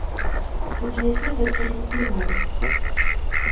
C'est une espèce à stérilité mâle.